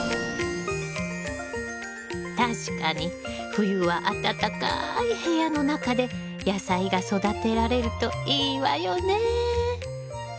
確かに冬は暖かい部屋の中で野菜が育てられるといいわよね。